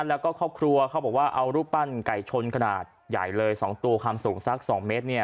แล้วก็ครอบครัวเขาบอกว่าเอารูปปั้นไก่ชนขนาดใหญ่เลย๒ตัวความสูงสัก๒เมตรเนี่ย